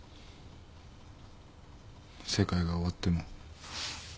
世界が終わっても。